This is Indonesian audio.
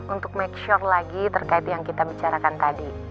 untuk make sure lagi terkait yang kita bicarakan tadi